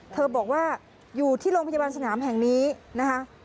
บอกว่าอยู่ที่โรงพยาบาลสนามแห่งนี้นะคะ